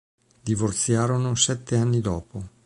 Divorziarono sette anni dopo.